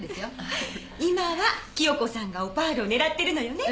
今は清子さんがオパールを狙ってるのよね？